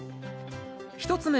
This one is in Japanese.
１つ目